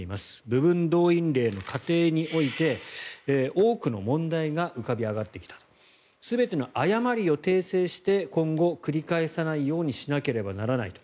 部分動員令の過程において多くの問題が浮かび上がってきた全ての誤りを訂正して今後、繰り返さないようにしなければならないと。